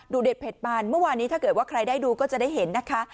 เด็ดเผ็ดบานเมื่อวานนี้ถ้าเกิดว่าใครได้ดูก็จะได้เห็นนะคะ